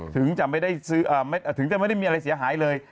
ถึงจะไม่ได้มีอะไรเสียหายเลย